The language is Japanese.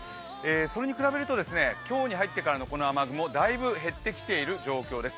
それに比べると今日に入ってからのこの雨雲、だいぶ減ってきている状況です。